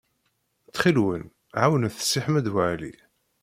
Ttxil-wen, ɛawnet Si Ḥmed Waɛli.